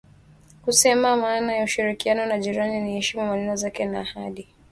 kusema maana ya ushirikiano na jirani aiyeheshimu maneno na ahadi zake